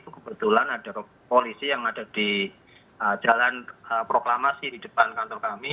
kebetulan ada polisi yang ada di jalan proklamasi di depan kantor kami